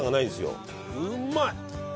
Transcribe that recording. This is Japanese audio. うまい。